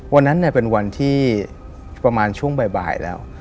วันนั้นเป็นวันที่ประมาณช่วงบ่ายแล้ว